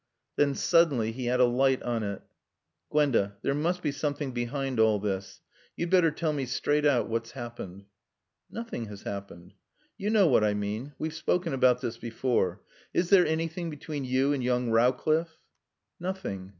Then, suddenly, he had a light on it. "Gwenda, there must be something behind all this. You'd better tell me straight out what's happened." "Nothing has happened." "You know what I mean. We've spoken about this before. Is there anything between you and young Rowcliffe." "Nothing.